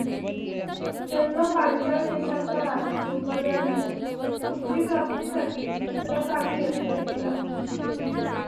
जन्म पांचाळ देशाचा राजा द्रुपदयाने पुत्रप्राप्तीसाठी पुत्रकामी यज्ञ केला.